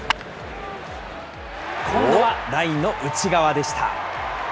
今度はラインの内側でした。